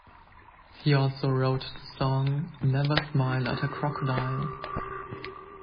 He also wrote the song "Never Smile at a Crocodile".